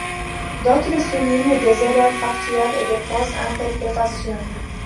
D'autres soulignent des erreurs factuelles et des fausses interprétations.